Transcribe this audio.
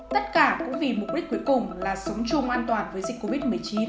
tất cả cũng vì mục đích cuối cùng là súng chung an toàn với dịch covid một mươi chín